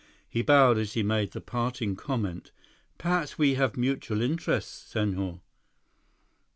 He bowed as he made the parting comment: "Perhaps we have mutual interests, Senhor."